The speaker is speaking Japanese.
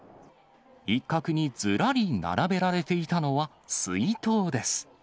一角にずらり並べられていたのは、水筒です。